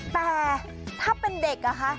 แต่ถ้าเป็นเด็กอะคะ